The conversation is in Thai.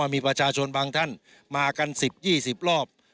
มีประชาชนบางท่านมากัน๑๐๒๐รอบ